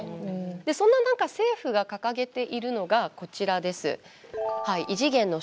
そんな中政府が掲げているのがこちらです。